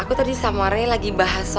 aku tadi sama reh lagi bahas soal